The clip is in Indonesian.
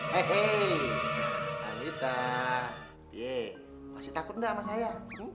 hei hei anitta pie masih takut gak sama saya